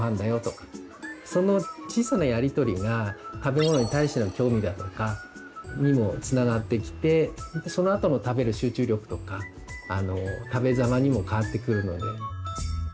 その小さなやり取りが食べ物に対しての興味だとかにもつながってきてそのあとの食べる集中力とかあの食べざまにもかわってくるので。